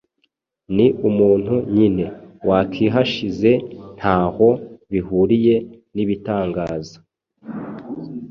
Ni umuntu nyine wakihashize ntaho bihuriye n’ibitangaza